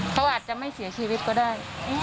เขาอาจจะไม่เสียชีวิตก็ได้